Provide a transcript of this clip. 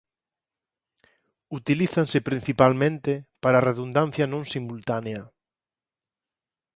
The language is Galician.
Utilízanse principalmente para redundancia non simultánea.